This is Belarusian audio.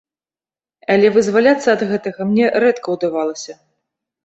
Але вызваляцца ад гэтага мне рэдка ўдавалася.